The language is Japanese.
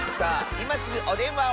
いますぐおでんわを！